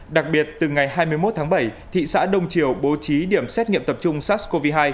đặc biệt từ ngày hai mươi một tháng bảy thị xã đông triều bố trí điểm xét nghiệm tập trung sars cov hai